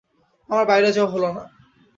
আমার বাইরে যাওয়া হল না।